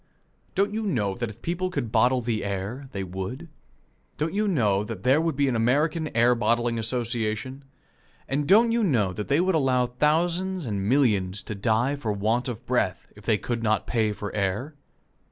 Don't you know that if people could bottle the air, they would? Don't you know that there would be an American Air bottling Association? And don't you know that they would allow thousands and millions to die for want of breath, if they could not pay for air?